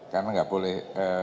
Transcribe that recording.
karena enggak boleh